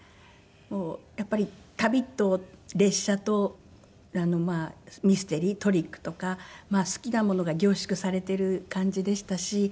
やっぱり旅と列車とミステリートリックとか好きなものが凝縮されている感じでしたし